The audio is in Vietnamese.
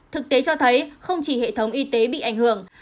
thực tế cho thấy không chỉ hệ thống y tế bị ảnh hưởng